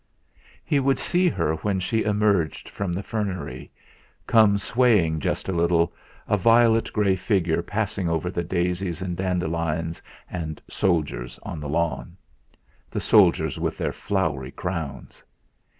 He would see her when she emerged from the fernery, come swaying just a little, a violet grey figure passing over the daisies and dandelions and '.oldiers' on the lawn the soldiers with their flowery crowns.